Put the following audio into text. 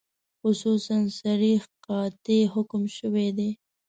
خصوصاً صریح قاطع حکم شوی دی.